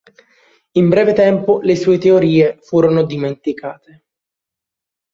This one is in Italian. In breve tempo le sue teorie furono dimenticate.